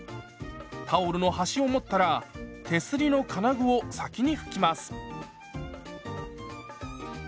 タオルの端を持ったら手すりの金具を先に拭きます。